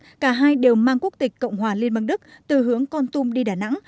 trong ngày khác cả hai đều mang quốc tịch cộng hòa liên bang đức từ hướng con tum đi đà nẵng